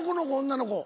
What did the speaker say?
女の子？